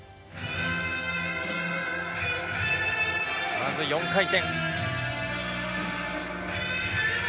まず４回転。